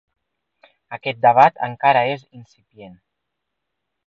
Aquest debat encara és incipient.